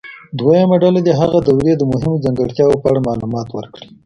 دویمه ډله دې د هغې دورې د مهمو ځانګړتیاوو په اړه معلومات ورکړي.